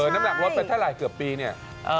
น้ำหนักลดไปเท่าไหร่เกือบปีเนี่ย